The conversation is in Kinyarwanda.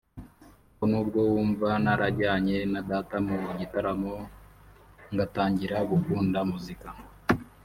Kuko nubwo wumva narajyanye na data mu gitaramo ngatangira gukunda muzika